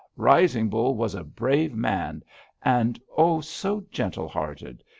Rising Bull was a brave man. And oh, so gentle hearted!